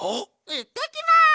いってきます！